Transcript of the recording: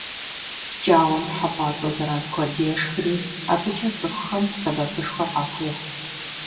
ПкӀауэм хьэпӀацӀэ зэран куэд ешхри абыкӀэ цӀыхухэм сэбэпышхуэ къахуехь.